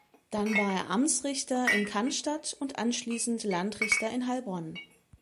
Dann war er Amtsrichter in Cannstatt und anschließend Landrichter in Heilbronn.